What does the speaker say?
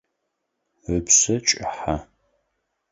Ыпшъэ кӏыхьэ.